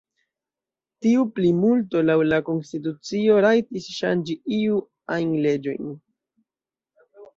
Tiu plimulto laŭ la konstitucio rajtis ŝanĝi iu ajn leĝojn.